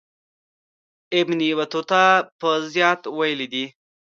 ابن بطوطه به زیات ویلي وي.